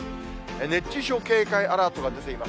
熱中症警戒アラートが出ています。